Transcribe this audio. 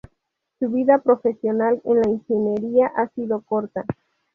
Su vida profesional en la ingeniería ha sido corta.